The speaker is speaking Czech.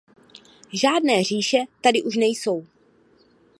Žádné říše tady už nejsou.